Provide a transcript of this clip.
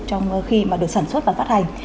trong khi mà được sản xuất và phát hành